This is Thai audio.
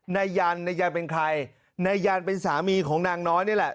นายยันนายยันเป็นใครนายยันเป็นสามีของนางน้อยนี่แหละ